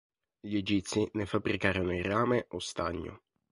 Gli Egizi ne fabbricarono in rame o stagno.